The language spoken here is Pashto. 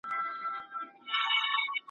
د وصال خوب